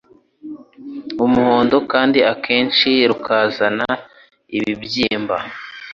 umuhondo, kandi akenshi rukazana ibibyimba.